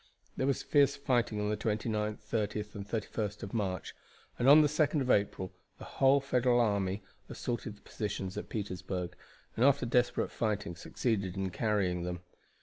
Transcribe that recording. There was fierce fighting on the 29th, 30th, and 31st of March, and on the 2d of April the whole Federal army assaulted the positions at Petersburg, and after desperate fighting succeeded in carrying them.